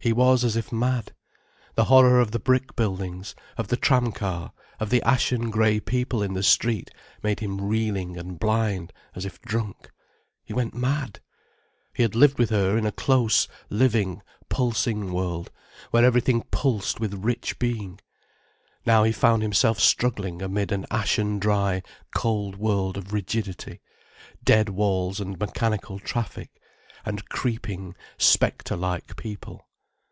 He was as if mad. The horror of the brick buildings, of the tram car, of the ashen grey people in the street made him reeling and blind as if drunk. He went mad. He had lived with her in a close, living, pulsing world, where everything pulsed with rich being. Now he found himself struggling amid an ashen dry, cold world of rigidity, dead walls and mechanical traffic, and creeping, spectre like people.